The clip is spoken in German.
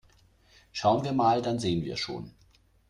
Schauen wir mal, dann sehen wir schon!